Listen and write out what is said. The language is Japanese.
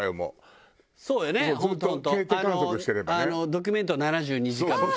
『ドキュメント７２時間』みたいに。